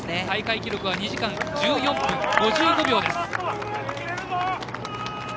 大会記録は２時間１４分５５秒です。